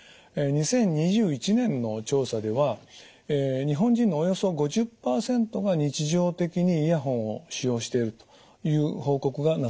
２０２１年の調査では日本人のおよそ５０％が日常的にイヤホンを使用しているという報告がなされております。